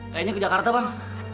kayaknya ke jakarta bang